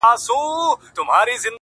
o اوباز يم، خو بې گودره نه گډېږم٫